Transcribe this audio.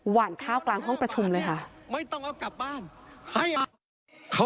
หวานข้าวกลางห้องประชุมเลยค่ะ